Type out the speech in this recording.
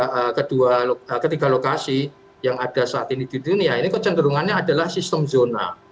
apa yang terjadi di lapangan ya dari ketiga lokasi yang ada saat ini di dunia ini kecenderungannya adalah sistem zona